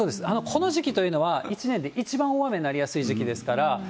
この時期というのは、１年で一番大雨になりやすい時期ですから。